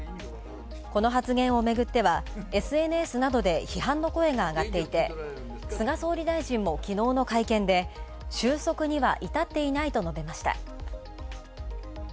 この発言をめぐってはＳＮＳなどで批判の声が上がっていて、菅総理大臣もきのうの会見で、収束には至っていないと述べました